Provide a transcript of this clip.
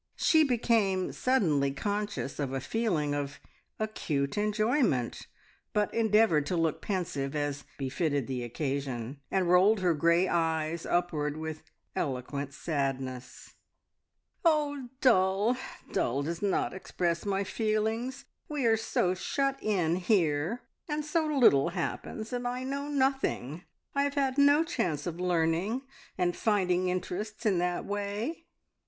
She became suddenly conscious of a feeling of acute enjoyment, but endeavoured to look pensive, as befitted the occasion, and rolled her grey eyes upward with eloquent sadness. "Oh, dull! Dull does not express my feelings! We are so shut in here, and so little happens, and I know nothing. I have had no chance of learning and finding interests in that way."